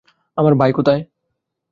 আমার ভাই কোথায়?